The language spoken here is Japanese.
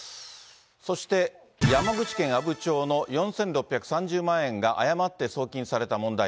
そして山口県阿武町の４６３０万円が誤って送金された問題。